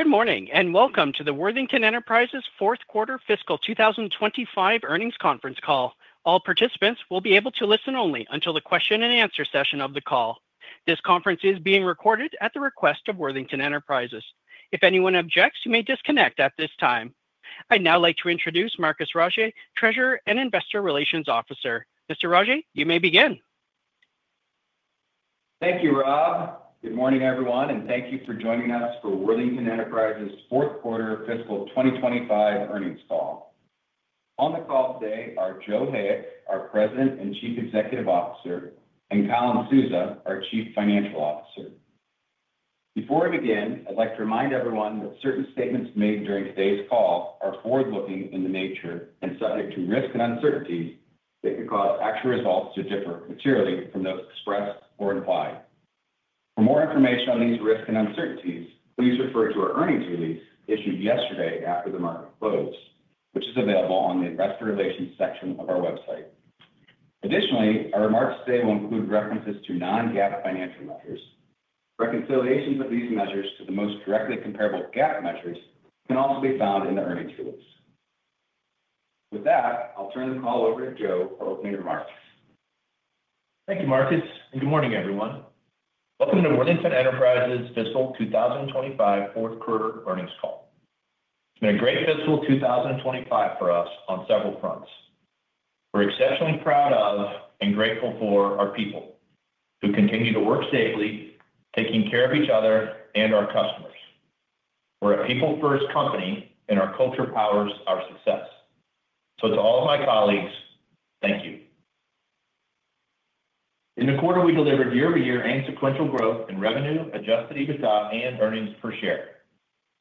Good morning and welcome to the Worthington Enterprises Fourth Quarter Fiscal 2025 Earnings Conference call. All participants will be able to listen only until the question and answer session of the call. This conference is being recorded at the request of Worthington Enterprises. If anyone objects, you may disconnect at this time. I'd now like to introduce Marcus Rogier, Treasurer and Investor Relations Officer. Mr. Rogier, you may begin. Thank you, Rob. Good morning, everyone, and thank you for joining us for Worthington Enterprises Fourth Quarter Fiscal 2025 Earnings Call. On the call today are Joe Hayek, our President and Chief Executive Officer, and Colin Souza, our Chief Financial Officer. Before I begin, I'd like to remind everyone that certain statements made during today's call are forward-looking in nature and subject to risks and uncertainties that could cause actual results to differ materially from those expressed or implied. For more information on these risks and uncertainties, please refer to our earnings release issued yesterday after the market closed, which is available on the Investor Relations section of our website. Additionally, our remarks today will include references to non-GAAP financial measures. Reconciliations of these measures to the most directly comparable GAAP measures can also be found in the earnings release. With that, I'll turn the call over to Joe for opening remarks. Thank you, Marcus, and good morning, everyone. Welcome to Worthington Enterprises Fiscal 2025 Fourth Quarter Earnings Call. It's been a great fiscal 2025 for us on several fronts. We're exceptionally proud of and grateful for our people who continue to work safely, taking care of each other and our customers. We're a people-first company, and our culture powers our success. To all of my colleagues, thank you. In the quarter, we delivered year-over-year and sequential growth in revenue, adjusted EBITDA, and earnings per share.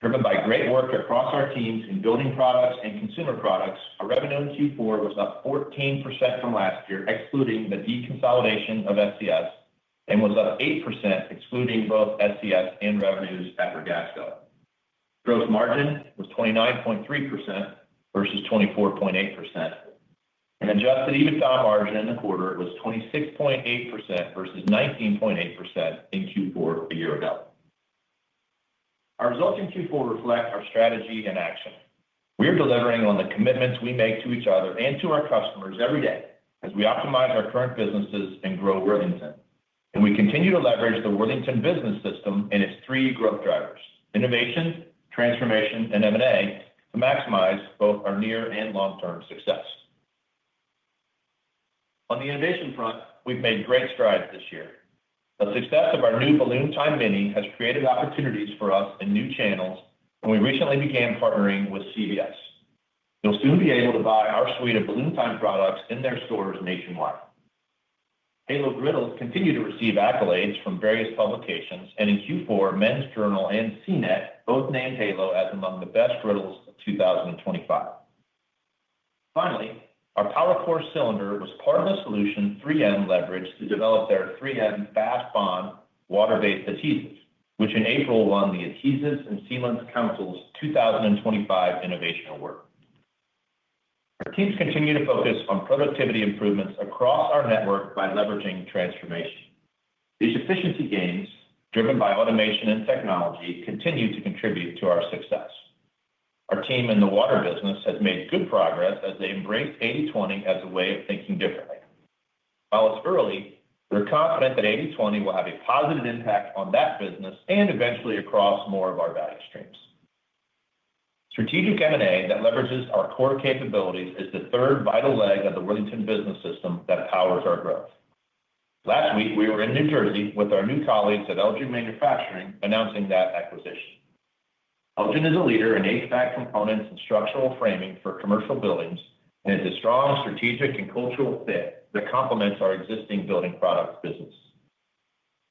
Driven by great work across our teams in building products and consumer products, our revenue in Q4 was up 14% from last year, excluding the deconsolidation of SCS, and was up 8%, excluding both SCS and revenues at Ragasco. Gross margin was 29.3% versus 24.8%. Adjusted EBITDA margin in the quarter was 26.8% versus 19.8% in Q4 a year ago. Our results in Q4 reflect our strategy and action. We are delivering on the commitments we make to each other and to our customers every day as we optimize our current businesses and grow Worthington. We continue to leverage the Worthington Business System and its three growth drivers: innovation, transformation, and M&A to maximize both our near and long-term success. On the innovation front, we've made great strides this year. The success of our new Balloon Time mini has created opportunities for us in new channels, and we recently began partnering with CVS. You'll soon be able to buy our suite of Balloon Time products in their stores nationwide. Halo griddles continue to receive accolades from various publications, and in Q4, Men's Journal and CNET both named Halo as among the best griddles of 2025. Finally, our PowerForce cylinder was part of a solution 3M leveraged to develop their 3M FastBond water-based adhesives, which in April won the Adhesives and Sealants Council's 2025 Innovation Award. Our teams continue to focus on productivity improvements across our network by leveraging transformation. These efficiency gains, driven by automation and technology, continue to contribute to our success. Our team in the water business has made good progress as they embrace 80/20 as a way of thinking differently. While it's early, we're confident that 80/20 will have a positive impact on that business and eventually across more of our value streams. Strategic M&A that leverages our core capabilities is the third vital leg of the Worthington Business System that powers our growth. Last week, we were in New Jersey with our new colleagues at Elgen Manufacturing announcing that acquisition. Elgen is a leader in HVAC components and structural framing for commercial buildings, and it's a strong strategic and cultural fit that complements our existing building products business.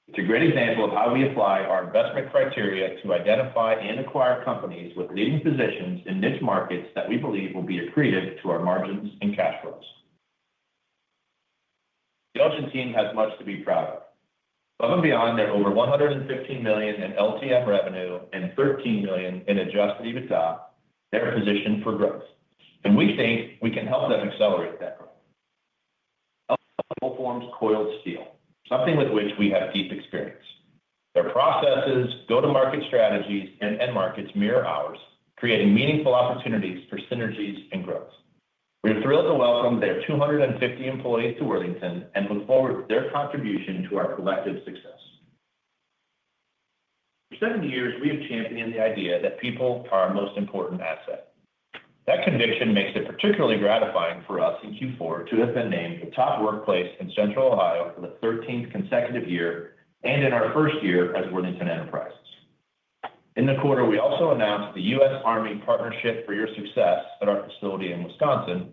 It's a great example of how we apply our investment criteria to identify and acquire companies with leading positions in niche markets that we believe will be accretive to our margins and cash flows. The Elgen team has much to be proud of. Above and beyond their over $115 million in LTM revenue and $13 million in adjusted EBITDA, they're positioned for growth, and we think we can help them accelerate that growth. Elgen's core forms coiled steel, something with which we have deep experience. Their processes, go-to-market strategies, and end markets mirror ours, creating meaningful opportunities for synergies and growth. We are thrilled to welcome their 250 employees to Worthington and look forward to their contribution to our collective success. For 70 years, we have championed the idea that people are our most important asset. That conviction makes it particularly gratifying for us in Q4 to have been named the top workplace in Central Ohio for the 13th consecutive year and in our first year as Worthington Enterprises. In the quarter, we also announced the U.S. Army Partnership for Your Success at our facility in Wisconsin.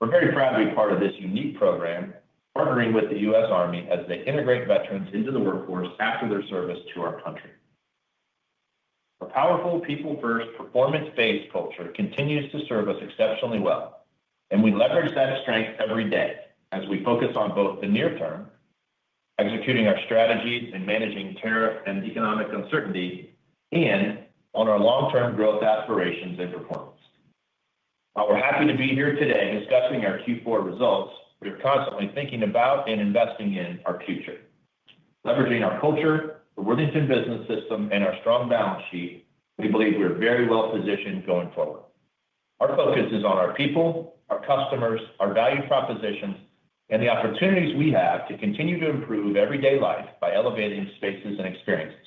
We're very proud to be part of this unique program, partnering with the U.S. Army as they integrate veterans into the workforce after their service to our country. Our powerful, people-first, performance-based culture continues to serve us exceptionally well, and we leverage that strength every day as we focus on both the near-term, executing our strategies and managing tariff and economic uncertainty, and on our long-term growth aspirations and performance. While we're happy to be here today discussing our Q4 results, we are constantly thinking about and investing in our future. Leveraging our culture, the Worthington Business System, and our strong balance sheet, we believe we're very well positioned going forward. Our focus is on our people, our customers, our value propositions, and the opportunities we have to continue to improve everyday life by elevating spaces and experiences,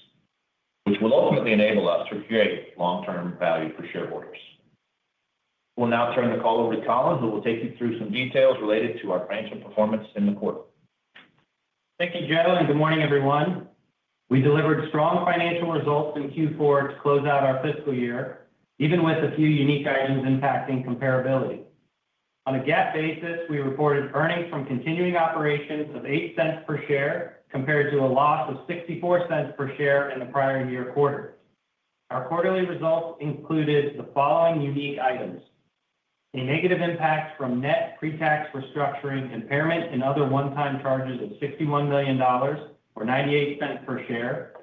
which will ultimately enable us to create long-term value for shareholders. We'll now turn the call over to Colin, who will take you through some details related to our financial performance in the quarter. Thank you, Joe, and good morning, everyone. We delivered strong financial results in Q4 to close out our fiscal year, even with a few unique items impacting comparability. On a GAAP basis, we reported earnings from continuing operations of $0.08 per share compared to a loss of $0.64 per share in the prior year quarter. Our quarterly results included the following unique items: a negative impact from net pre-tax restructuring impairment and other one-time charges of $61 million or $0.98 per share.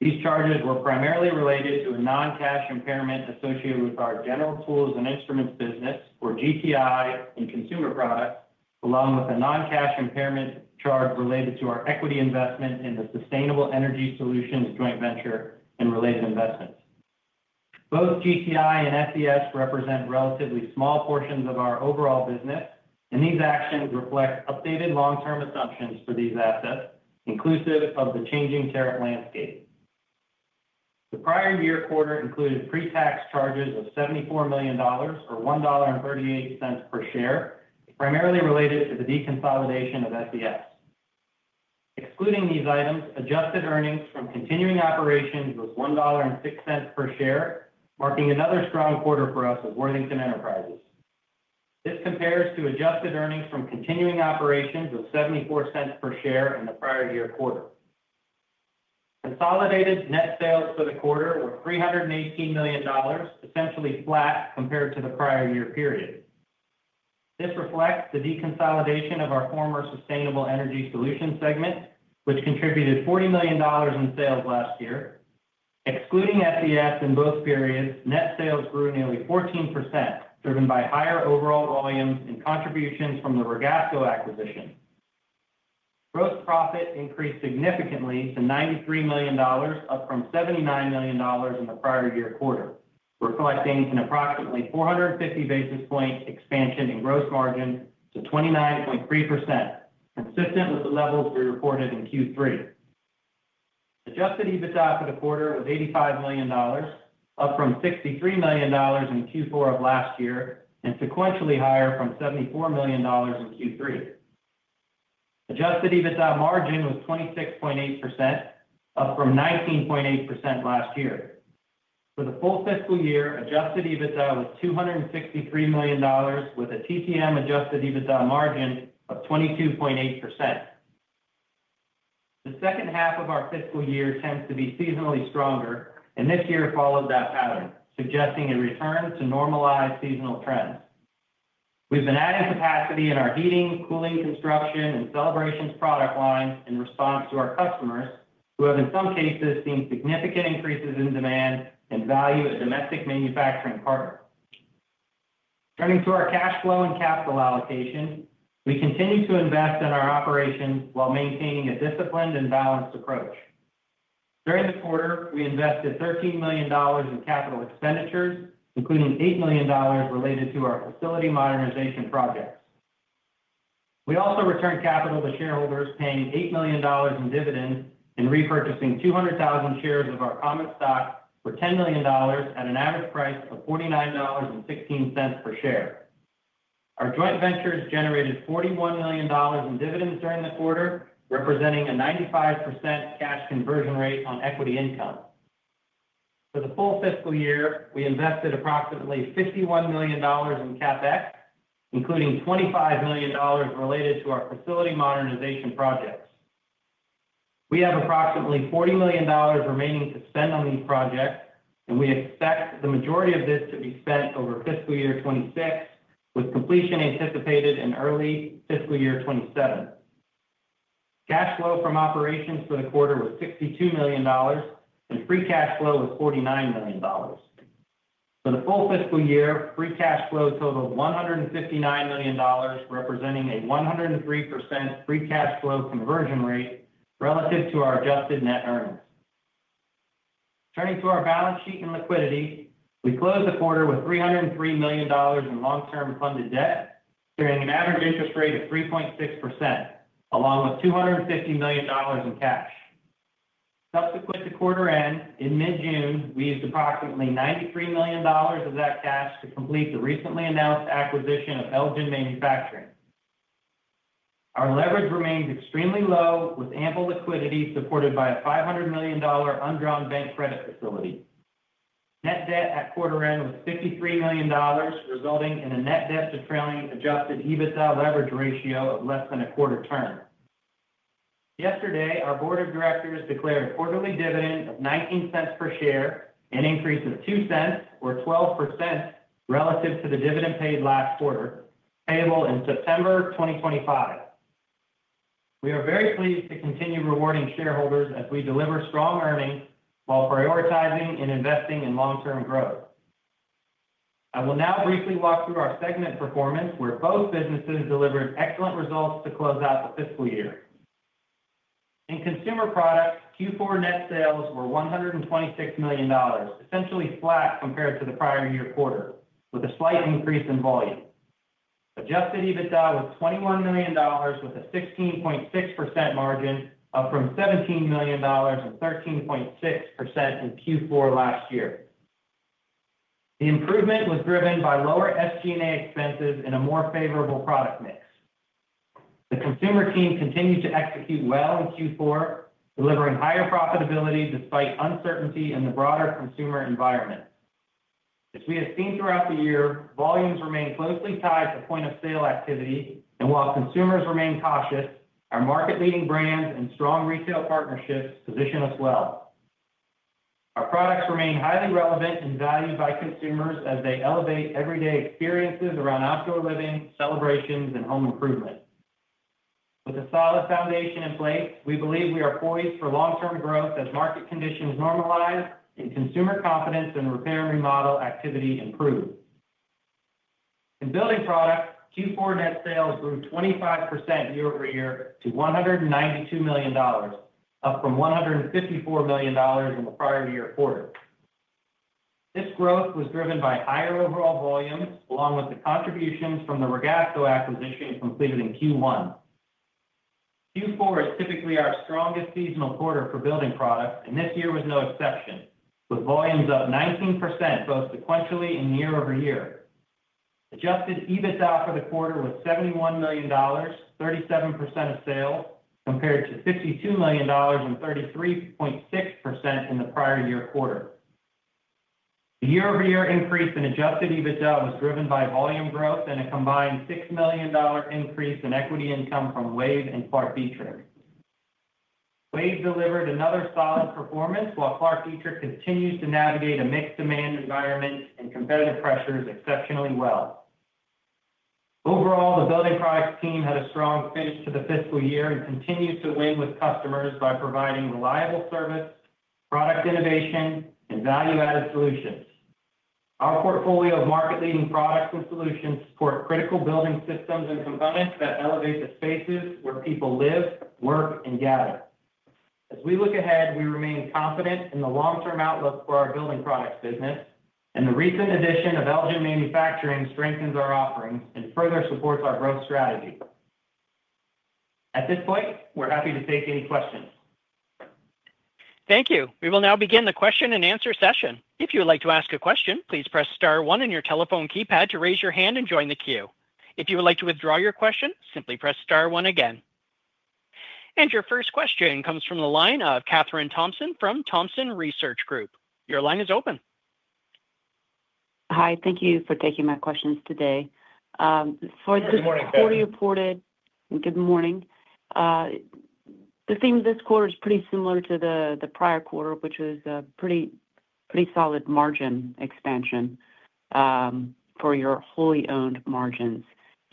These charges were primarily related to a non-cash impairment associated with our General Tools and Instruments business, or GTI, and consumer products, along with a non-cash impairment charge related to our equity investment in the Sustainable Energy Solutions joint venture and related investments. Both GTI and SES represent relatively small portions of our overall business, and these actions reflect updated long-term assumptions for these assets, inclusive of the changing tariff landscape. The prior year quarter included pre-tax charges of $74 million or $1.38 per share, primarily related to the deconsolidation of SES. Excluding these items, adjusted earnings from continuing operations was $1.06 per share, marking another strong quarter for us at Worthington Enterprises. This compares to adjusted earnings from continuing operations of $0.74 per share in the prior year quarter. Consolidated net sales for the quarter were $318 million, essentially flat compared to the prior year period. This reflects the deconsolidation of our former Sustainable Energy Solutions segment, which contributed $40 million in sales last year. Excluding SES in both periods, net sales grew nearly 14%, driven by higher overall volumes and contributions from the Ragasco acquisition. Gross profit increased significantly to $93 million, up from $79 million in the prior year quarter, reflecting an approximately 450 basis point expansion in gross margin to 29.3%, consistent with the levels we reported in Q3. Adjusted EBITDA for the quarter was $85 million, up from $63 million in Q4 of last year and sequentially higher from $74 million in Q3. Adjusted EBITDA margin was 26.8%, up from 19.8% last year. For the full fiscal year, adjusted EBITDA was $263 million, with a TTM adjusted EBITDA margin of 22.8%. The second half of our fiscal year tends to be seasonally stronger, and this year followed that pattern, suggesting a return to normalized seasonal trends. We've been adding capacity in our heating, cooling, construction, and celebrations product lines in response to our customers, who have in some cases seen significant increases in demand and value a domestic manufacturing partner. Turning to our cash flow and capital allocation, we continue to invest in our operations while maintaining a disciplined and balanced approach. During the quarter, we invested $13 million in capital expenditures, including $8 million related to our facility modernization projects. We also returned capital to shareholders, paying $8 million in dividends and repurchasing 200,000 shares of our common stock for $10 million at an average price of $49.16 per share. Our joint ventures generated $41 million in dividends during the quarter, representing a 95% cash conversion rate on equity income. For the full fiscal year, we invested approximately $51 million in CapEx, including $25 million related to our facility modernization projects. We have approximately $40 million remaining to spend on these projects, and we expect the majority of this to be spent over fiscal year 2026, with completion anticipated in early fiscal year 2027. Cash flow from operations for the quarter was $62 million, and free cash flow was $49 million. For the full fiscal year, free cash flow totaled $159 million, representing a 103% free cash flow conversion rate relative to our adjusted net earnings. Turning to our balance sheet and liquidity, we closed the quarter with $303 million in long-term funded debt, carrying an average interest rate of 3.6%, along with $250 million in cash. Subsequent to quarter end, in mid-June, we used approximately $93 million of that cash to complete the recently announced acquisition of Elgen Manufacturing. Our leverage remains extremely low, with ample liquidity supported by a $500 million undrawn bank credit facility. Net debt at quarter end was $53 million, resulting in a net debt-to-trailing adjusted EBITDA leverage ratio of less than a quarter turn. Yesterday, our board of directors declared a quarterly dividend of $0.19 per share, an increase of $0.02 or 12% relative to the dividend paid last quarter, payable in September 2025. We are very pleased to continue rewarding shareholders as we deliver strong earnings while prioritizing and investing in long-term growth. I will now briefly walk through our segment performance, where both businesses delivered excellent results to close out the fiscal year. In consumer products, Q4 net sales were $126 million, essentially flat compared to the prior year quarter, with a slight increase in volume. Adjusted EBITDA was $21 million, with a 16.6% margin, up from $17 million and 13.6% in Q4 last year. The improvement was driven by lower SG&A expenses and a more favorable product mix. The consumer team continued to execute well in Q4, delivering higher profitability despite uncertainty in the broader consumer environment. As we have seen throughout the year, volumes remain closely tied to point-of-sale activity, and while consumers remain cautious, our market-leading brands and strong retail partnerships position us well. Our products remain highly relevant and valued by consumers as they elevate everyday experiences around outdoor living, celebrations, and home improvement. With a solid foundation in place, we believe we are poised for long-term growth as market conditions normalize and consumer confidence in repair and remodel activity improves. In building products, Q4 net sales grew 25% year over year to $192 million, up from $154 million in the prior year quarter. This growth was driven by higher overall volumes, along with the contributions from the Ragasco acquisition completed in Q1. Q4 is typically our strongest seasonal quarter for building products, and this year was no exception, with volumes up 19% both sequentially and year-over-year. Adjusted EBITDA for the quarter was $71 million, 37% of sales, compared to $52 million and 33.6% in the prior year quarter. The year-over-year increase in adjusted EBITDA was driven by volume growth and a combined $6 million increase in equity income from Wave and Clak Detrick. Wave delivered another solid performance while ClarkDetrick continues to navigate a mixed demand environment and competitive pressures exceptionally well. Overall, the building products team had a strong finish to the fiscal year and continues to win with customers by providing reliable service, product innovation, and value-added solutions. Our portfolio of market-leading products and solutions support critical building systems and components that elevate the spaces where people live, work, and gather. As we look ahead, we remain confident in the long-term outlook for our building products business, and the recent addition of Elgen Manufacturing strengthens our offerings and further supports our growth strategy. At this point, we're happy to take any questions. Thank you. We will now begin the question-and-answer session. If you would like to ask a question, please press *1 on your telephone keypad to raise your hand and join the queue. If you would like to withdraw your question, simply press *1 again. Your first question comes from the line of Kathryn Thompson from Thompson Research Group. Your line is open. Hi. Thank you for taking my questions today. For the quarter reported, good morning. The theme this quarter is pretty similar to the prior quarter, which was a pretty solid margin expansion for your wholly owned margins.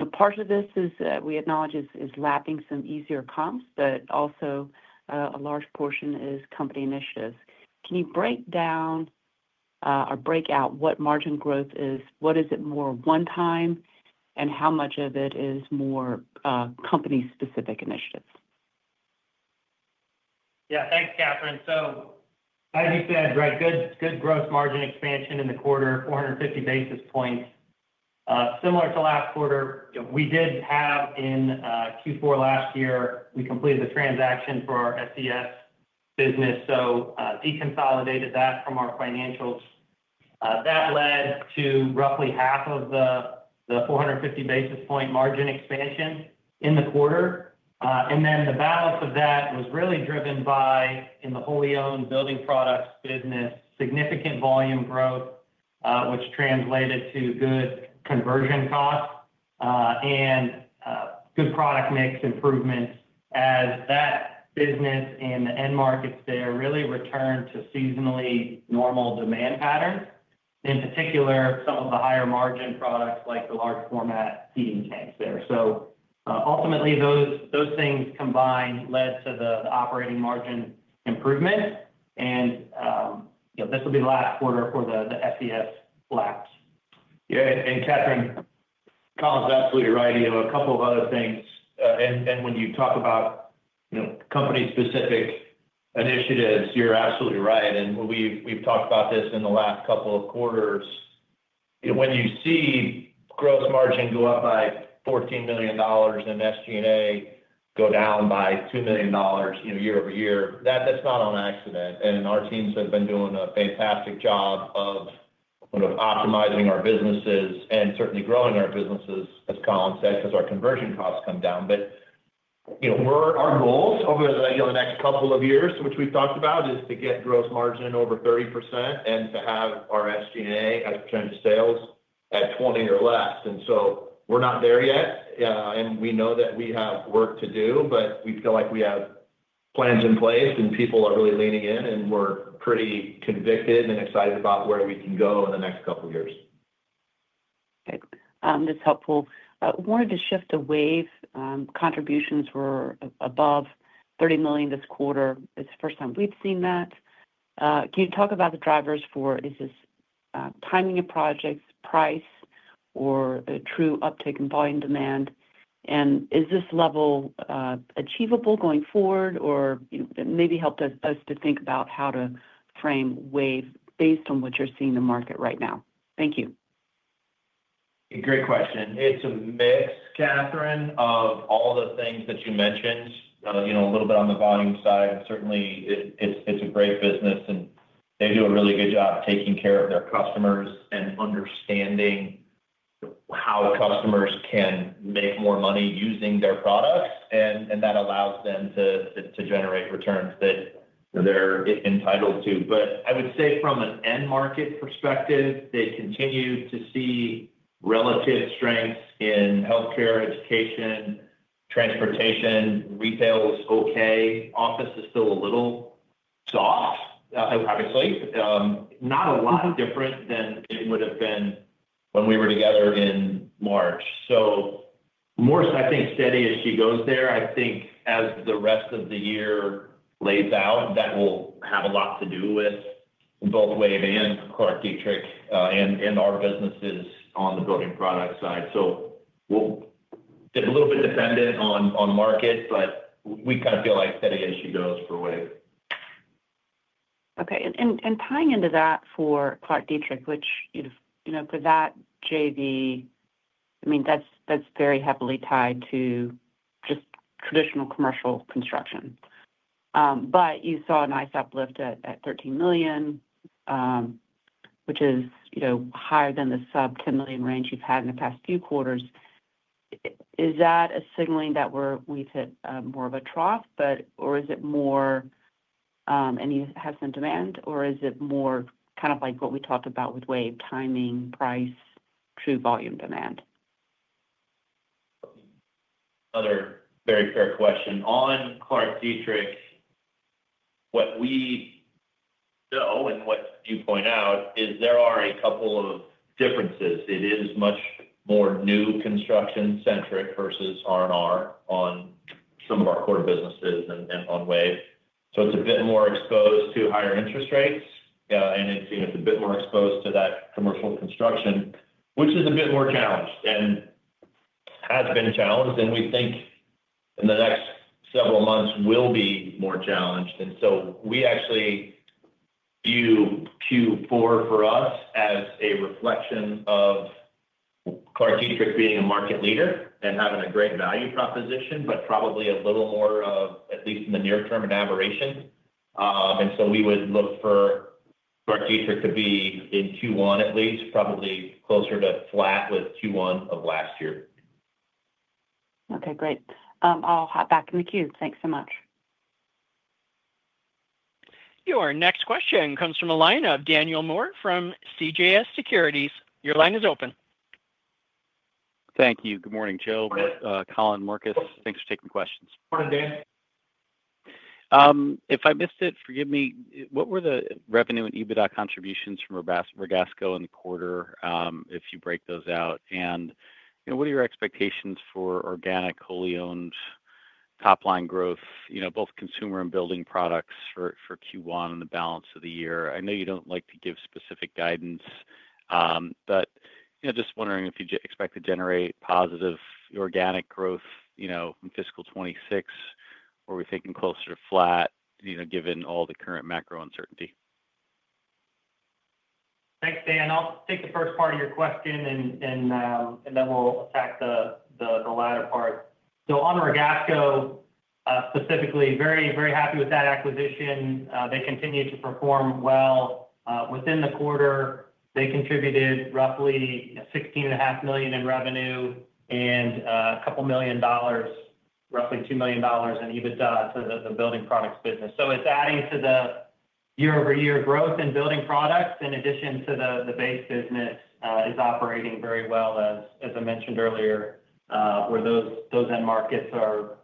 Part of this is, we acknowledge, is lapping some easier comps, but also a large portion is company initiatives. Can you break down or break out what margin growth is? What is it more one-time, and how much of it is more company-specific initiatives? Yeah. Thanks, Kathryn. So, as you said, right, good gross margin expansion in the quarter, 450 basis points. Similar to last quarter, we did have in Q4 last year, we completed the transaction for our SES business, so deconsolidated that from our financials. That led to roughly 1/2 of the 450 basis point margin expansion in the quarter. The balance of that was really driven by, in the wholly owned building products business, significant volume growth, which translated to good conversion costs and good product mix improvements as that business and the end markets there really returned to seasonally normal demand patterns, in particular some of the higher margin products like the large-format heating tanks there. Ultimately, those things combined led to the operating margin improvement. This will be the last quarter for the SES laps. Yeah. Katherine, Colin's absolutely right. A couple of other things. When you talk about company-specific initiatives, you're absolutely right. We've talked about this in the last couple of quarters. When you see gross margin go up by $14 million and SG&A go down by $2 million year-over-year, that's not on accident. Our teams have been doing a fantastic job of optimizing our businesses and certainly growing our businesses, as Colin said, because our conversion costs come down. Our goals over the next couple of years, which we've talked about, is to get gross margin over 30% and to have our SG&A as percentage of sales at 20% or less. We are not there yet, and we know that we have work to do, but we feel like we have plans in place and people are really leaning in, and we are pretty convicted and excited about where we can go in the next couple of years. Okay. This is helpful. I wanted to shift to Wave. Contributions were above $30 million this quarter. It's the first time we've seen that. Can you talk about the drivers for is this timing of projects, price, or true uptake and volume demand? Is this level achievable going forward, or maybe help us to think about how to frame Wave based on what you're seeing in the market right now? Thank you. Great question. It's a mix, Kathryn, of all the things that you mentioned, a little bit on the volume side. Certainly, it's a great business, and they do a really good job taking care of their customers and understanding how customers can make more money using their products. That allows them to generate returns that they're entitled to. I would say from an end market perspective, they continue to see relative strengths in healthcare, education, transportation, retail is okay. Office is still a little soft, obviously, not a lot different than it would have been when we were together in March. More so, I think, steady as she goes there. I think as the rest of the year lays out, that will have a lot to do with both Wave and ClarkDietrich and our businesses on the building product side. We'll be a little bit dependent on market, but we kind of feel like steady as she goes for Wave. Okay. And tying into that for ClarkDietrich, which for that JV, I mean, that's very heavily tied to just traditional commercial construction. You saw a nice uplift at $13 million, which is higher than the sub-$10 million range you've had in the past few quarters. Is that a signaling that we've hit more of a trough, or is it more and you have some demand, or is it more kind of like what we talked about with WAVE, timing, price, true volume demand? Another very fair question. On ClarkDietrich, what we know and what you point out is there are a couple of differences. It is much more new construction-centric versus R&R on some of our core businesses and on WAVE. It is a bit more exposed to higher interest rates, and it is a bit more exposed to that commercial construction, which is a bit more challenged and has been challenged, and we think in the next several months will be more challenged. We actually view Q4 for us as a reflection of ClarkDietrich being a market leader and having a great value proposition, but probably a little more of, at least in the near term, an aberration. We would look for ClarkDietrich to be in Q1, at least, probably closer to flat with Q1 of last year. Okay. Great. I'll hop back in the queue. Thanks so much. Your next question comes from a line of Daniel Moore from CJS Securities. Your line is open. Thank you. Good morning, Joe. Colin, Marcus, thanks for taking the questions. Morning, Dan. If I missed it, forgive me. What were the revenue and EBITDA contributions from Ragasco in the quarter, if you break those out? What are your expectations for organic, wholly owned top-line growth, both consumer and building products for Q1 and the balance of the year? I know you do not like to give specific guidance, but just wondering if you expect to generate positive organic growth in fiscal 2026, or are we thinking closer to flat, given all the current macro uncertainty? Thanks, Dan. I'll take the first part of your question, and then we'll attack the latter part. On Ragasco, specifically, very, very happy with that acquisition. They continue to perform well. Within the quarter, they contributed roughly $16.5 million in revenue and a couple million dollars, roughly $2 million in EBITDA to the building products business. It is adding to the year-over-year growth in building products, in addition to the base business is operating very well, as I mentioned earlier, where those end markets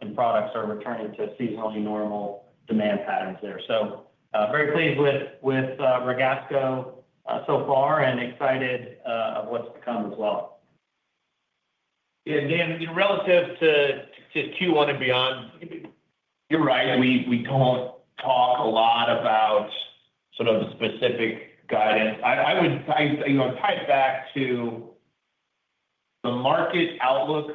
and products are returning to seasonally normal demand patterns there. Very pleased with Ragasco so far and excited of what's to come as well. Yeah. And Dan, relative to Q1 and beyond. You're right. We don't talk a lot about sort of the specific guidance. I would tie it back to the market outlook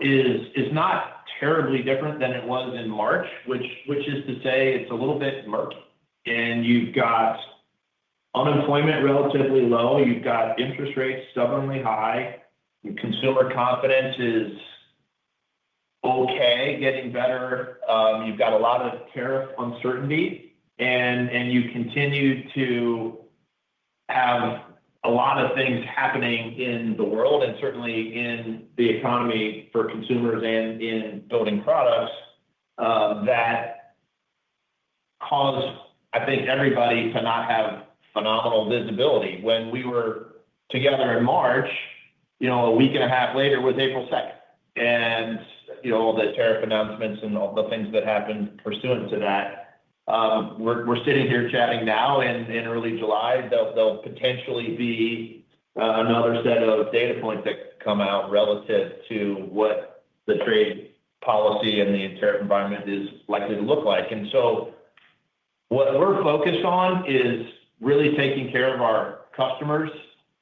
is not terribly different than it was in March, which is to say it's a little bit murky. You've got unemployment relatively low. You've got interest rates stubbornly high. Consumer confidence is okay, getting better. You've got a lot of tariff uncertainty, and you continue to have a lot of things happening in the world and certainly in the economy for consumers and in building products that cause, I think, everybody to not have phenomenal visibility. When we were together in March, a week and a half later was April 2. And all the tariff announcements and all the things that happened pursuant to that. We're sitting here chatting now in early July. There'll potentially be another set of data points that come out relative to what the trade policy and the tariff environment is likely to look like. What we're focused on is really taking care of our customers.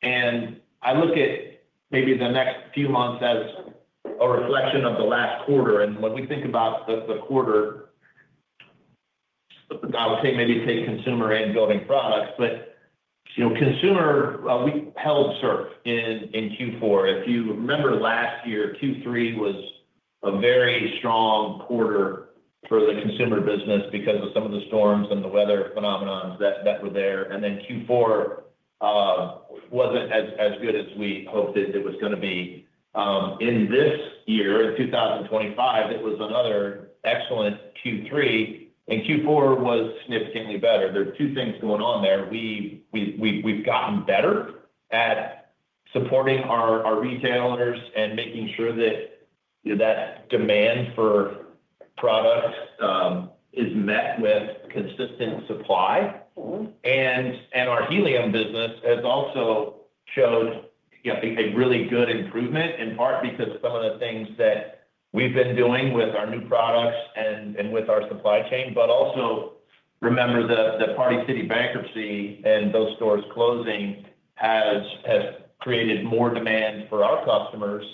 I look at maybe the next few months as a reflection of the last quarter. When we think about the quarter, I would say maybe take consumer and building products. Consumer, we held surf in Q4. If you remember last year, Q3 was a very strong quarter for the consumer business because of some of the storms and the weather phenomenons that were there. Q4 was not as good as we hoped it was going to be. In this year, in 2025, it was another excellent Q3. Q4 was significantly better. There are two things going on there. We've gotten better at supporting our retailers and making sure that demand for products is met with consistent supply. Our helium business has also showed a really good improvement, in part because of some of the things that we've been doing with our new products and with our supply chain. Also, remember the Party City bankruptcy and those stores closing has created more demand for our customers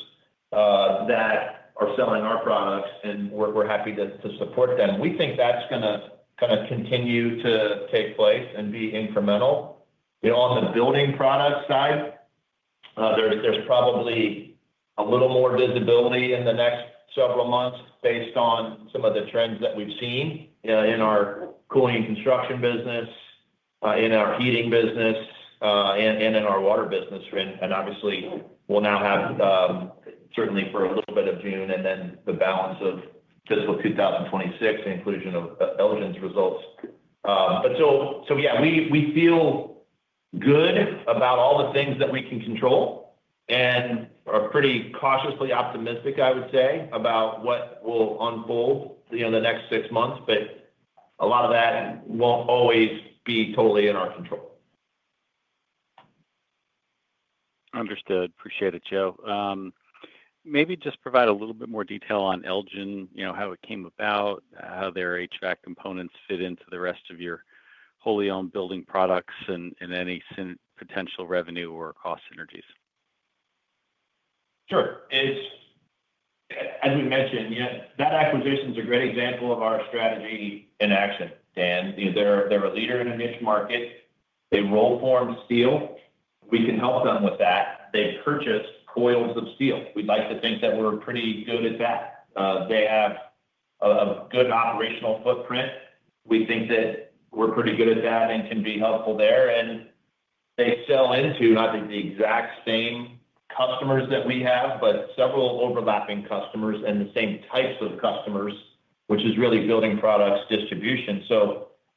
that are selling our products, and we're happy to support them. We think that's going to kind of continue to take place and be incremental. On the building product side, there's probably a little more visibility in the next several months based on some of the trends that we've seen in our cooling and construction business, in our heating business, and in our water business. We will now have certainly for a little bit of June and then the balance of fiscal 2026, the inclusion of Elgen's results. Yeah, we feel good about all the things that we can control and are pretty cautiously optimistic, I would say, about what will unfold in the next six months. A lot of that will not always be totally in our control. Understood. Appreciate it, Joe. Maybe just provide a little bit more detail on Elgen, how it came about, how their HVAC components fit into the rest of your wholly owned building products, and any potential revenue or cost synergies. Sure. As we mentioned, that acquisition is a great example of our strategy in action, Dan. They're a leader in a niche market. They roll form steel. We can help them with that. They purchase coils of steel. We'd like to think that we're pretty good at that. They have a good operational footprint. We think that we're pretty good at that and can be helpful there. They sell into, I think, the exact same customers that we have, but several overlapping customers and the same types of customers, which is really building products distribution.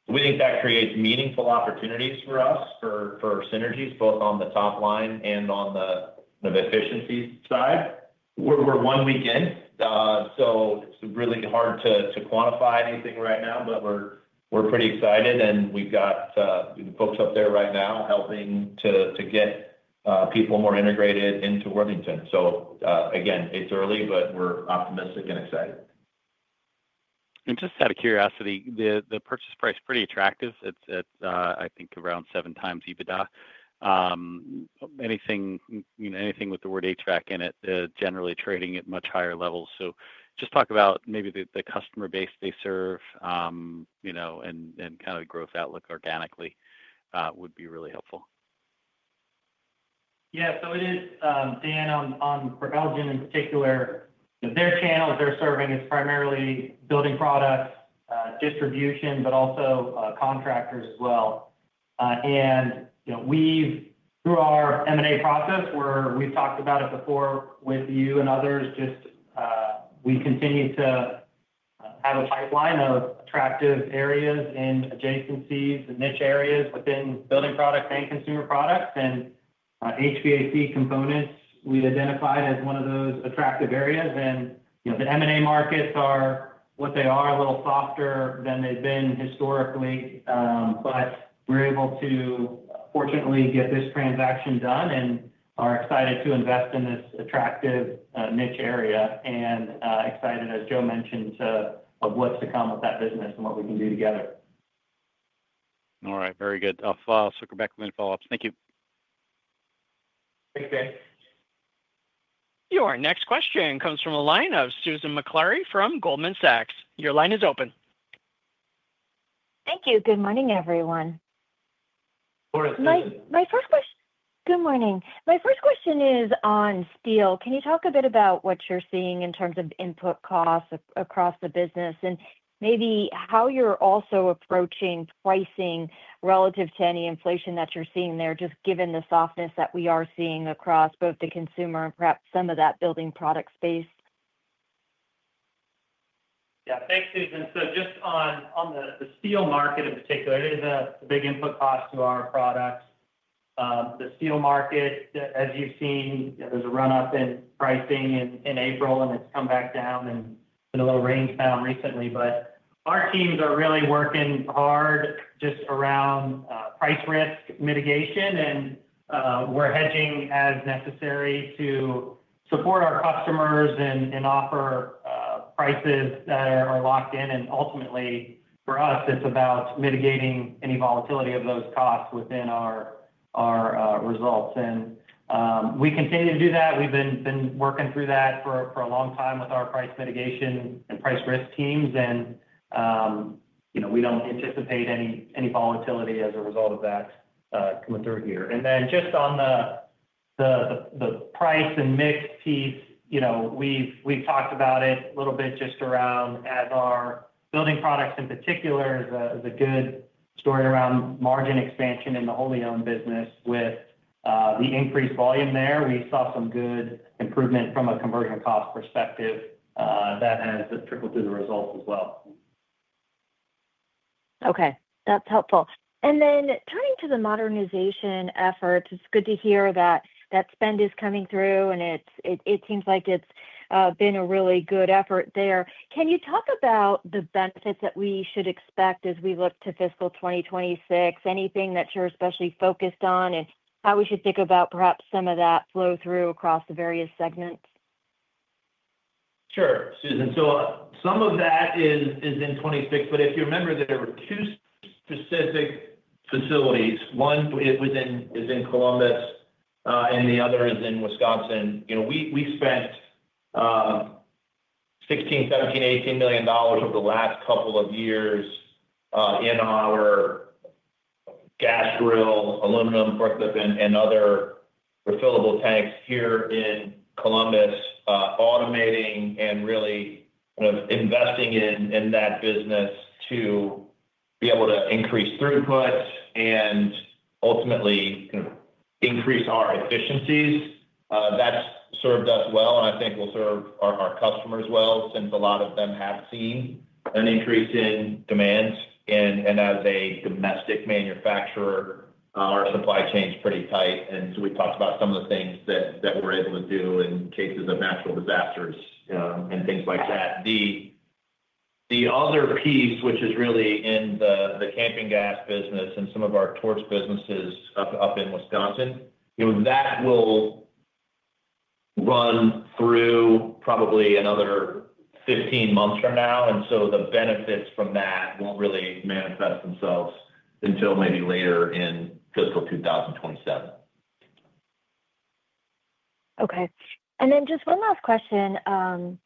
We think that creates meaningful opportunities for us for synergies, both on the top line and on the efficiency side. We're one week in. It is really hard to quantify anything right now, but we're pretty excited. We've got folks up there right now helping to get people more integrated into Worthington. It's early, but we're optimistic and excited. Just out of curiosity, the purchase price is pretty attractive. It's, I think, around seven times EBITDA. Anything with the word HVAC in it, generally trading at much higher levels. Just talk about maybe the customer base they serve and kind of the growth outlook organically would be really helpful. Yeah. It is, Dan, for Elgen in particular, their channels they're serving is primarily building products, distribution, but also contractors as well. Through our M&A process, where we've talked about it before with you and others, we continue to have a pipeline of attractive areas and adjacencies and niche areas within building products and consumer products. HVAC components, we identified as one of those attractive areas. The M&A markets are what they are, a little softer than they've been historically. We were able to, fortunately, get this transaction done and are excited to invest in this attractive niche area and excited, as Joe mentioned, of what's to come with that business and what we can do together. All right. Very good. I'll circle back with any follow-ups. Thank you. Thanks, Dan. Your next question comes from a line of Susan McLeary from Goldman Sachs. Your line is open. Thank you. Good morning, everyone. Morning. My first question is on steel. Can you talk a bit about what you're seeing in terms of input costs across the business and maybe how you're also approaching pricing relative to any inflation that you're seeing there, just given the softness that we are seeing across both the consumer and perhaps some of that building product space? Yeah. Thanks, Susan. Just on the steel market in particular, it is a big input cost to our products. The steel market, as you've seen, there's a run-up in pricing in April, and it's come back down and been a little range bound recently. Our teams are really working hard just around price risk mitigation. We're hedging as necessary to support our customers and offer prices that are locked in. Ultimately, for us, it's about mitigating any volatility of those costs within our results. We continue to do that. We've been working through that for a long time with our price mitigation and price risk teams. We do not anticipate any volatility as a result of that coming through here. Just on the price and mix piece, we've talked about it a little bit just around as our building products in particular is a good story around margin expansion in the wholly owned business with the increased volume there. We saw some good improvement from a conversion cost perspective that has trickled through the results as well. Okay. That's helpful. Turning to the modernization efforts, it's good to hear that that spend is coming through, and it seems like it's been a really good effort there. Can you talk about the benefits that we should expect as we look to fiscal 2026? Anything that you're especially focused on and how we should think about perhaps some of that flow through across the various segments? Sure, Susan. Some of that is in 2026. If you remember, there were two specific facilities. One is in Columbus, and the other is in Wisconsin. We spent $16 million, $17 million, $18 million over the last couple of years in our gas grill, aluminum forklift, and other refillable tanks here in Columbus, automating and really kind of investing in that business to be able to increase throughput and ultimately kind of increase our efficiencies. That has served us well, and I think will serve our customers well since a lot of them have seen an increase in demand. As a domestic manufacturer, our supply chain is pretty tight. We talked about some of the things that we are able to do in cases of natural disasters and things like that. The other piece, which is really in the camping gas business and some of our torch businesses up in Wisconsin, that will run through probably another 15 months from now. The benefits from that will not really manifest themselves until maybe later in fiscal 2027. Okay. And then just one last question.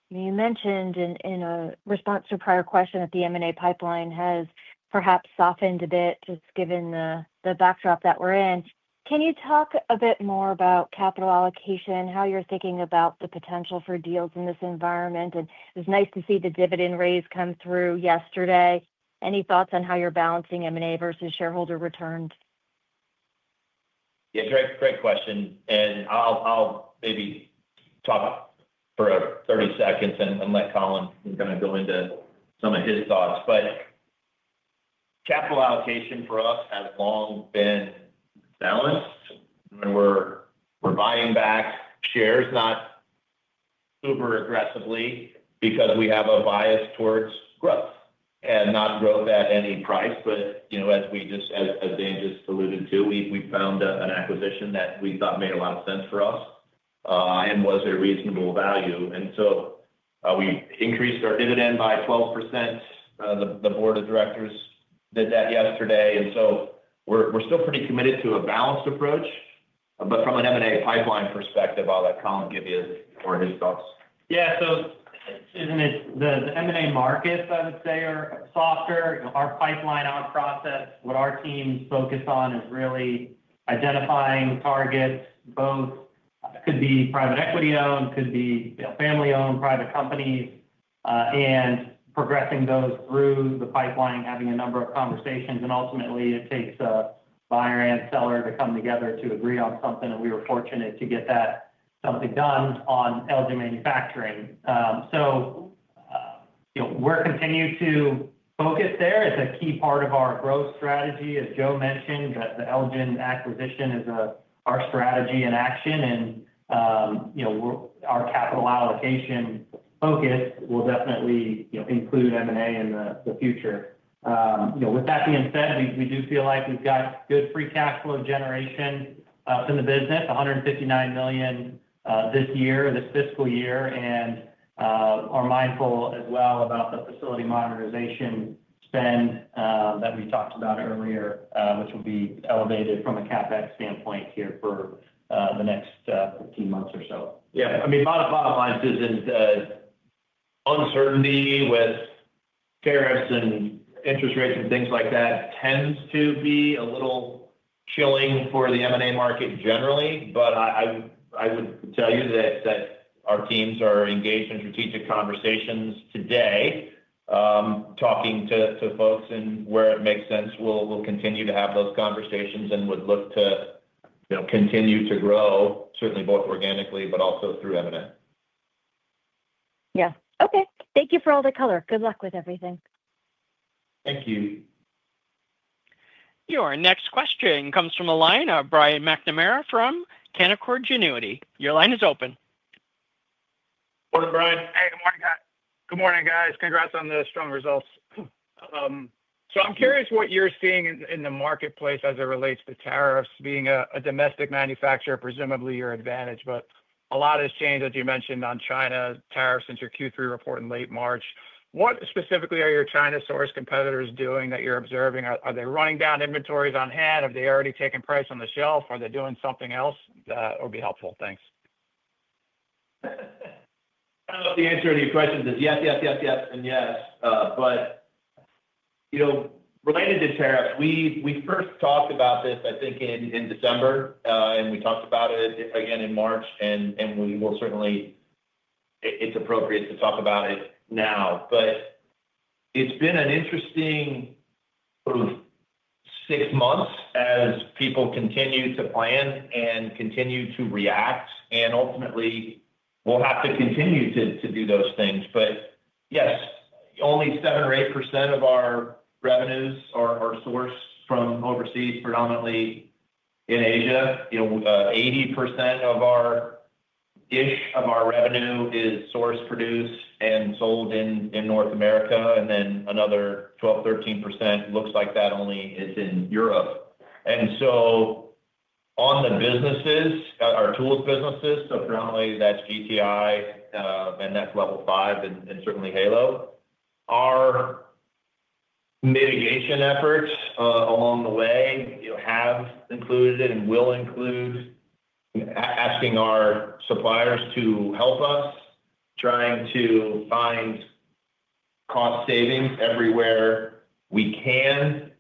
You mentioned in response to a prior question that the M&A pipeline has perhaps softened a bit just given the backdrop that we're in. Can you talk a bit more about capital allocation, how you're thinking about the potential for deals in this environment? It was nice to see the dividend raise come through yesterday. Any thoughts on how you're balancing M&A versus shareholder returns? Yeah. Great question. I'll maybe talk for 30 seconds and let Colin kind of go into some of his thoughts. Capital allocation for us has long been balanced. We're buying back shares, not super aggressively, because we have a bias towards growth and not growth at any price. As Dan just alluded to, we found an acquisition that we thought made a lot of sense for us and was a reasonable value. We increased our dividend by 12%. The board of directors did that yesterday. We're still pretty committed to a balanced approach. From an M&A pipeline perspective, I'll let Colin give you more of his thoughts. Yeah. The M&A markets, I would say, are softer. Our pipeline out process, what our teams focus on is really identifying targets, both could be private equity-owned, could be family-owned private companies, and progressing those through the pipeline, having a number of conversations. Ultimately, it takes a buyer and seller to come together to agree on something. We were fortunate to get that something done on Elgen Manufacturing. We are continuing to focus there. It is a key part of our growth strategy. As Joe mentioned, the Elgen acquisition is our strategy in action. Our capital allocation focus will definitely include M&A in the future. With that being said, we do feel like we have got good free cash flow generation from the business, $159 million this year, this fiscal year. We're mindful as well about the facility modernization spend that we talked about earlier, which will be elevated from a CapEx standpoint here for the next 15 months or so. Yeah. I mean, bottom line, Susan, uncertainty with tariffs and interest rates and things like that tends to be a little chilling for the M&A market generally. I would tell you that our teams are engaged in strategic conversations today, talking to folks. Where it makes sense, we'll continue to have those conversations and would look to continue to grow, certainly both organically, but also through M&A. Yeah. Okay. Thank you for all the color. Good luck with everything. Thank you. Your next question comes from a line of Brian McNamara from Canaccord Genuity. Your line is open. Morning, Brian. Hey. Good morning, guys. Good morning, guys. Congrats on the strong results. I'm curious what you're seeing in the marketplace as it relates to tariffs. Being a domestic manufacturer, presumably your advantage. A lot has changed, as you mentioned, on China tariffs since your Q3 report in late March. What specifically are your China-sourced competitors doing that you're observing? Are they running down inventories on hand? Have they already taken price on the shelf? Are they doing something else? That would be helpful. Thanks. I don't know if the answer to your question is yes, yes, yes, yes, and yes. Related to tariffs, we first talked about this, I think, in December. We talked about it again in March. It's appropriate to talk about it now. It's been an interesting six months as people continue to plan and continue to react. Ultimately, we'll have to continue to do those things. Yes, only 7% or 8% of our revenues are sourced from overseas, predominantly in Asia. 80% of our-ish of our revenue is sourced, produced, and sold in North America. Another 12-13% looks like that only is in Europe. On the businesses, our tools businesses, so predominantly that's GTI and that's Level5 and certainly Halo, our mitigation efforts along the way have included and will include asking our suppliers to help us, trying to find cost savings everywhere we can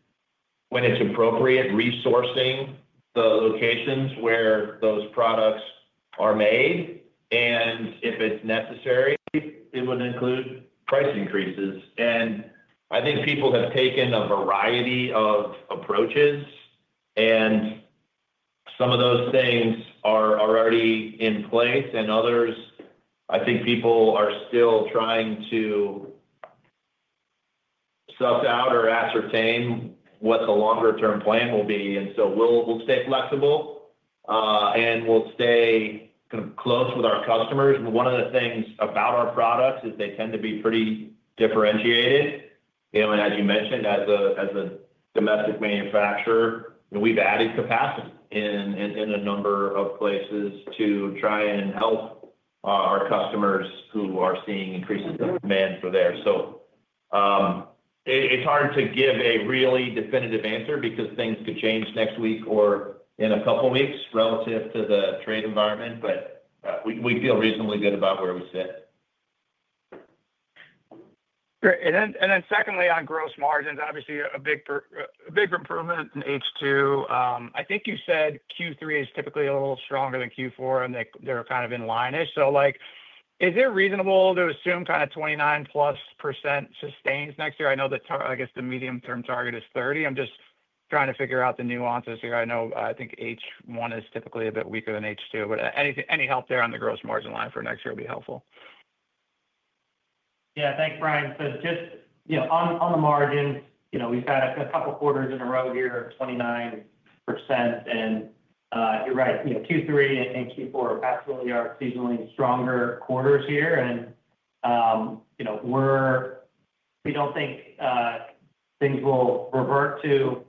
when it's appropriate, resourcing the locations where those products are made. If it's necessary, it would include price increases. I think people have taken a variety of approaches. Some of those things are already in place. Others, I think people are still trying to suss out or ascertain what the longer-term plan will be. We will stay flexible and we will stay kind of close with our customers. One of the things about our products is they tend to be pretty differentiated. As you mentioned, as a domestic manufacturer, we've added capacity in a number of places to try and help our customers who are seeing increases in demand for there. It's hard to give a really definitive answer because things could change next week or in a couple of weeks relative to the trade environment. We feel reasonably good about where we sit. Great. And then secondly, on gross margins, obviously a big improvement in H2. I think you said Q3 is typically a little stronger than Q4, and they're kind of in line there. So is it reasonable to assume kind of 29% plus sustains next year? I know that, I guess, the medium-term target is 30%. I'm just trying to figure out the nuances here. I know I think H1 is typically a bit weaker than H2. But any help there on the gross margin line for next year would be helpful. Yeah. Thanks, Brian. Just on the margins, we've had a couple of quarters in a row here, 29%. You're right, Q3 and Q4 absolutely are seasonally stronger quarters here. We do not think things will revert to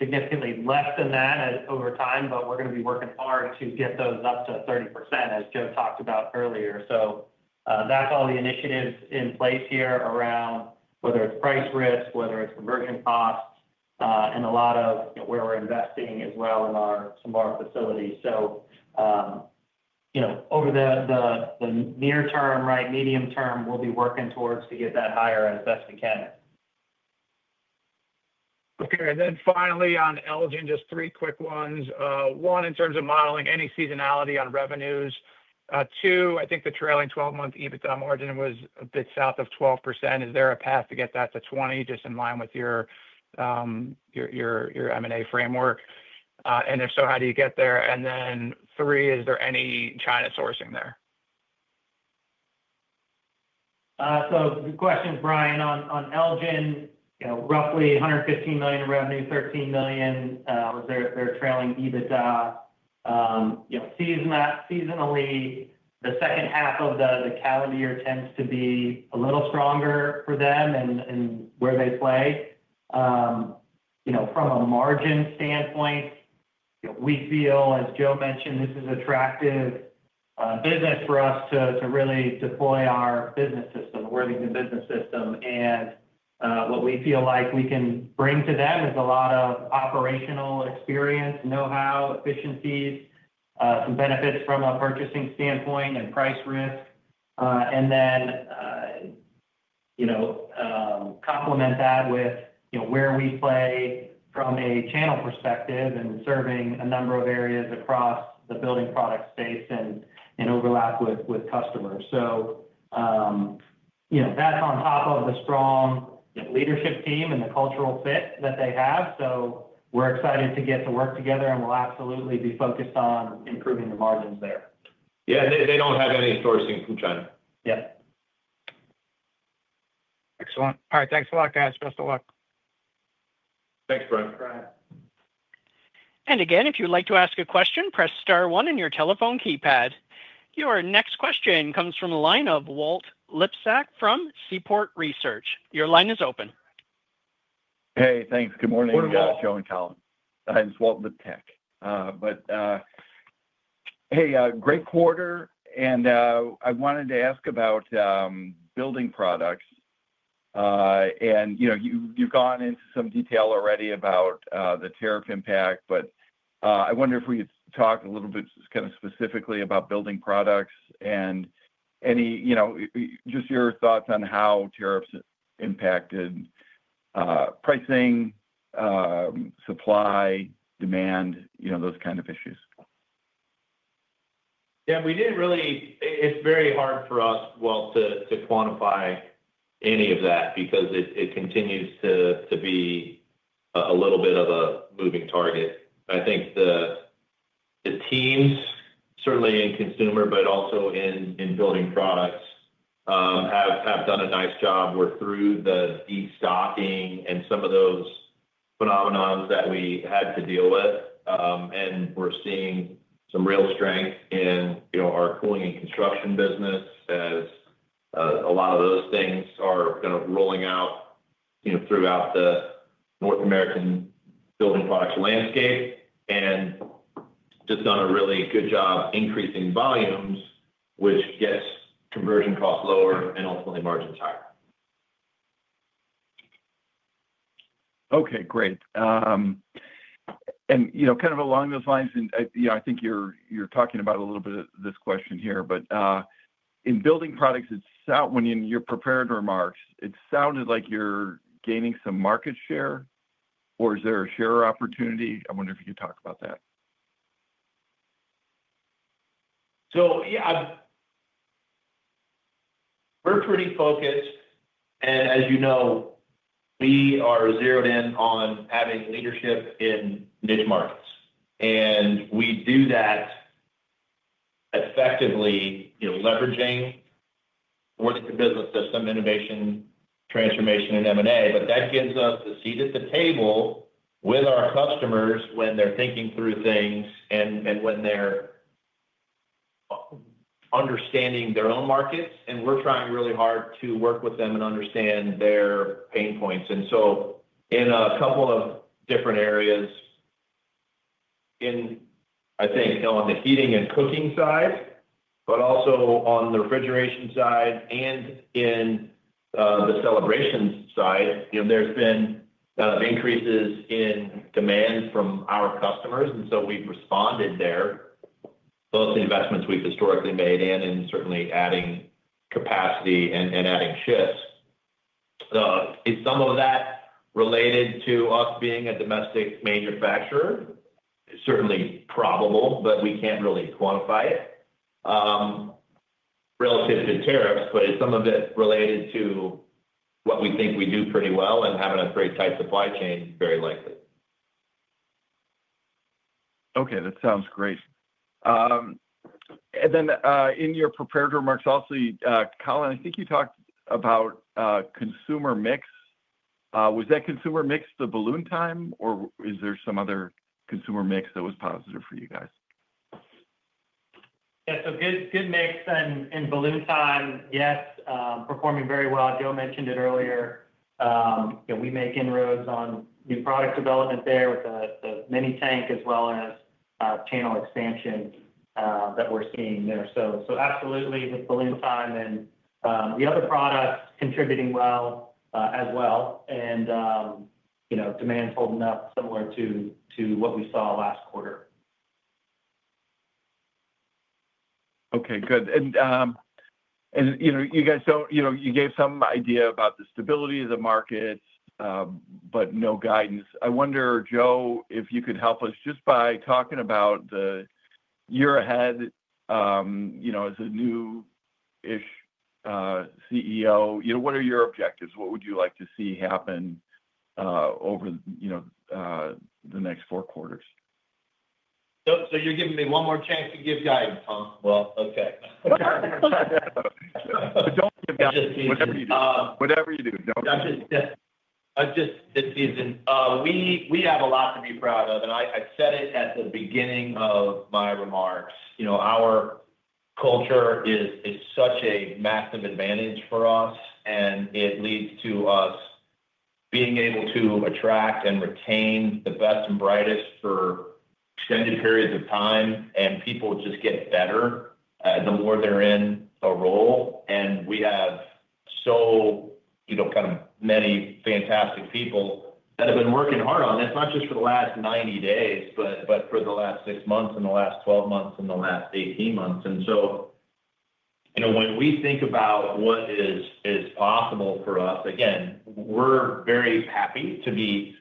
significantly less than that over time. We're going to be working hard to get those up to 30%, as Joe talked about earlier. That is all the initiatives in place here around whether it is price risk, whether it is conversion costs, and a lot of where we're investing as well in some of our facilities. Over the near term, right, medium term, we'll be working towards to get that higher as best we can. Okay. Finally, on Elgen, just three quick ones. One, in terms of modeling any seasonality on revenues. Two, I think the trailing 12-month EBITDA margin was a bit south of 12%. Is there a path to get that to 20%, just in line with your M&A framework? If so, how do you get there? Three, is there any China sourcing there? Good question, Brian. On Elgen, roughly $115 million in revenue, $13 million was their trailing EBITDA. Seasonally, the second half of the calendar year tends to be a little stronger for them and where they play. From a margin standpoint, we feel, as Joe mentioned, this is an attractive business for us to really deploy our business system, worthy of the business system. What we feel like we can bring to them is a lot of operational experience, know-how, efficiencies, some benefits from a purchasing standpoint and price risk. Then complement that with where we play from a channel perspective and serving a number of areas across the building product space and overlap with customers. That is on top of the strong leadership team and the cultural fit that they have. We're excited to get to work together, and we'll absolutely be focused on improving the margins there. Yeah. They don't have any sourcing from China. Yeah. Excellent. All right. Thanks a lot, guys. Best of luck. Thanks, Brian. Bye. If you'd like to ask a question, press *1 on your telephone keypad. Your next question comes from the line of Walt Lipsack from Seaport Research. Your line is open. Hey. Thanks. Good morning. Joe and Colin. And it's Walt Liptack. But hey, great quarter. I wanted to ask about building products. You've gone into some detail already about the tariff impact. I wonder if we could talk a little bit kind of specifically about building products and just your thoughts on how tariffs impacted pricing, supply, demand, those kind of issues? Yeah. It's very hard for us, Walt, to quantify any of that because it continues to be a little bit of a moving target. I think the teams, certainly in consumer, but also in building products, have done a nice job. We're through the de-stocking and some of those phenomenons that we had to deal with. We're seeing some real strength in our cooling and construction business as a lot of those things are kind of rolling out throughout the North American building products landscape and just done a really good job increasing volumes, which gets conversion costs lower and ultimately margins higher. Okay. Great. Kind of along those lines, I think you're talking about a little bit of this question here. In building products itself, when in your preparatory remarks, it sounded like you're gaining some market share, or is there a share opportunity? I wonder if you could talk about that. Yeah, we're pretty focused. As you know, we are zeroed in on having leadership in niche markets. We do that effectively leveraging the business system, innovation, transformation, and M&A. That gives us a seat at the table with our customers when they're thinking through things and when they're understanding their own markets. We're trying really hard to work with them and understand their pain points. In a couple of different areas, I think on the heating and cooking side, but also on the refrigeration side and in the celebrations side, there's been kind of increases in demand from our customers. We've responded there, both investments we've historically made and certainly adding capacity and adding shifts. Is some of that related to us being a domestic manufacturer? Certainly probable, but we can't really quantify it relative to tariffs. Is some of it related to what we think we do pretty well and having a very tight supply chain very likely? Okay. That sounds great. In your preparatory remarks also, Colin, I think you talked about consumer mix. Was that consumer mix the Balloon Time, or is there some other consumer mix that was positive for you guys? Yeah. Good mix in Balloon Time. Yes, performing very well. Joe mentioned it earlier. We make inroads on new product development there with the mini tank as well as channel expansion that we're seeing there. Absolutely with Balloon Time and the other products contributing well as well. Demand's holding up similar to what we saw last quarter. Okay. Good. You guys gave some idea about the stability of the markets, but no guidance. I wonder, Joe, if you could help us just by talking about the year ahead as a new-ish CEO. What are your objectives? What would you like to see happen over the next four quarters? You're giving me one more chance to give guidance, huh? Okay. Don't give guidance. Whatever you do. I'll just dip teasing. We have a lot to be proud of. I said it at the beginning of my remarks. Our culture is such a massive advantage for us. It leads to us being able to attract and retain the best and brightest for extended periods of time. People just get better the more they're in a role. We have so kind of many fantastic people that have been working hard on this, not just for the last 90 days, but for the last six months and the last 12 months and the last 18 months. When we think about what is possible for us, again, we're very happy to be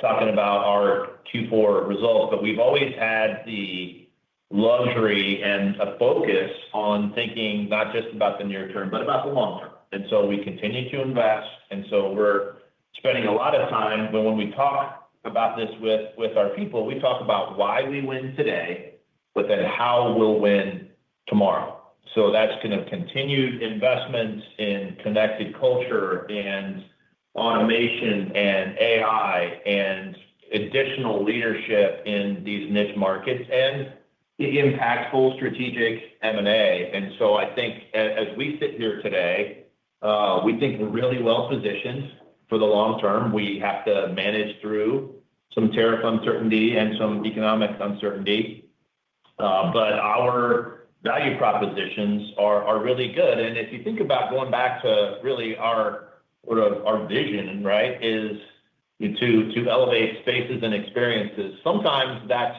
talking about our Q4 results. We've always had the luxury and a focus on thinking not just about the near term, but about the long term. We continue to invest. We are spending a lot of time. When we talk about this with our people, we talk about why we win today, but then how we will win tomorrow. That is continued investments in connected culture and automation and AI and additional leadership in these niche markets and the impactful strategic M&A. I think as we sit here today, we think we are really well-positioned for the long term. We have to manage through some tariff uncertainty and some economic uncertainty. Our value propositions are really good. If you think about going back to really our vision, it is to elevate spaces and experiences. Sometimes that is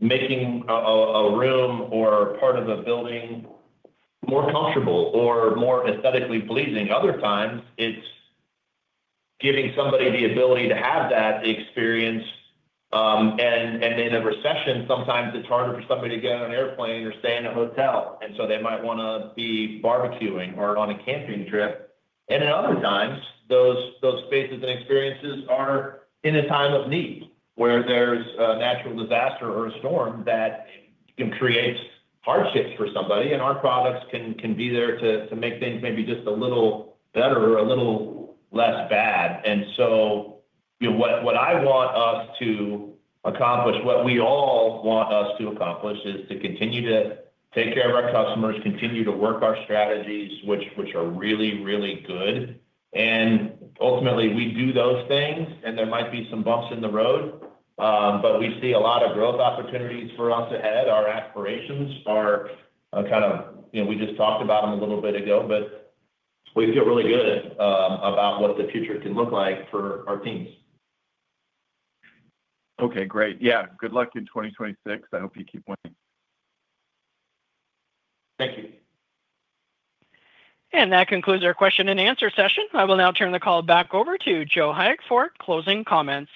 making a room or part of a building more comfortable or more aesthetically pleasing. Other times, it is giving somebody the ability to have that experience. In a recession, sometimes it's harder for somebody to get on an airplane or stay in a hotel. They might want to be barbecuing or on a camping trip. In other times, those spaces and experiences are in a time of need where there's a natural disaster or a storm that can create hardships for somebody. Our products can be there to make things maybe just a little better or a little less bad. What I want us to accomplish, what we all want us to accomplish, is to continue to take care of our customers, continue to work our strategies, which are really, really good. Ultimately, we do those things. There might be some bumps in the road, but we see a lot of growth opportunities for us ahead. Our aspirations are kind of we just talked about them a little bit ago, but we feel really good about what the future can look like for our teams. Okay. Great. Yeah. Good luck in 2026. I hope you keep winning. Thank you. That concludes our question and answer session. I will now turn the call back over to Joe Hayek for closing comments.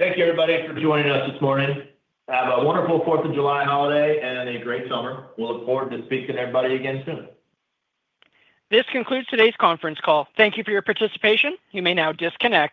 Thank you, everybody, for joining us this morning. Have a wonderful 4th of July holiday and a great summer. We'll look forward to speaking to everybody again soon. This concludes today's conference call. Thank you for your participation. You may now disconnect.